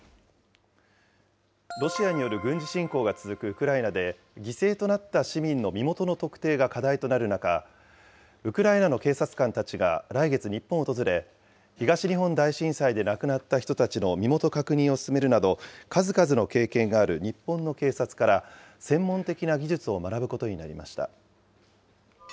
ロシアによる軍事侵攻が続くウクライナで、犠牲となった市民の身元の特定が課題となる中、ウクライナの警察官たちが来月日本を訪れ、東日本大震災で亡くなった人たちの身元確認を進めるなど、数々の経験がある日本の警察から、専門的な技術を学ぶことになりました。